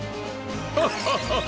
ハハハハハ！